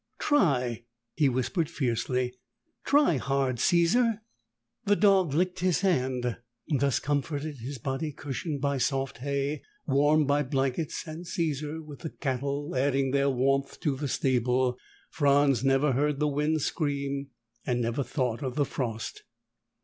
"Try!" he whispered fiercely. "Try hard, Caesar!" The dog licked his hand. Thus comforted, his body cushioned by soft hay, warmed by blankets and Caesar, and with the cattle adding their warmth to the stable, Franz never heard the wind scream and never thought of the frost.